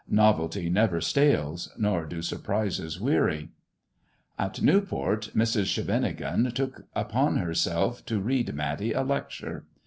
Novelty never stales, nor do surprises weary. At Newport, Mrs. Scheveningen took upon herself to read Matty a lecture.